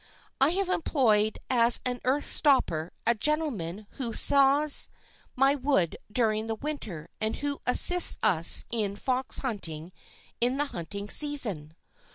I have employed as an earth stopper a gentleman who saws my wood during the winter and who assists us in fox hunting in the hunting season.